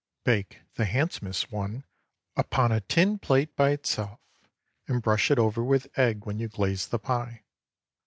Bake the handsomest one upon a tin plate by itself, and brush it over with egg when you glaze the pie.